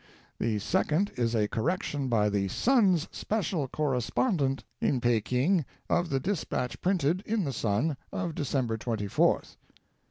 The second is a correction by the 'Sun's' special correspondent in Peking of the dispatch printed in the Sun of December 24th.